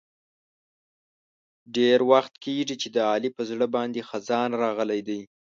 ډېر وخت کېږي چې د علي په زړه باندې خزان راغلی دی.